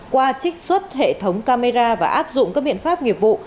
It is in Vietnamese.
qua trích xuất hệ thống camera và áp dụng các biện pháp nghiệp vụ